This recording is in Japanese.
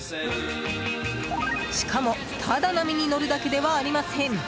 しかもただ波に乗るだけではありません。